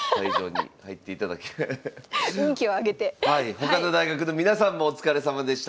他の大学の皆さんもお疲れさまでした。